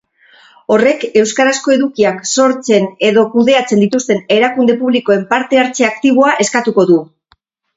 Horrek euskarazko edukiak sortzen edo kudeatzen dituzten erakunde publikoen parte-hartze aktiboa eskatuko du.